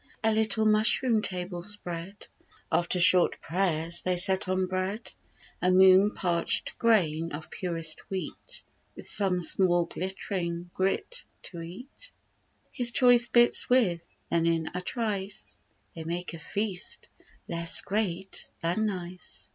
A little mushroom table spread, After short prayers, they set on bread, A moon parch'd grain of purest wheat, With some small glitt'ring grit, to eat His choice bits with; then in a trice They make a feast less great than nice.